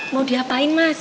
mau diapain mas